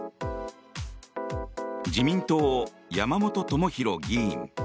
自民党、山本朋広議員。